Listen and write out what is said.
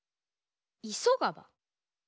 いそがば？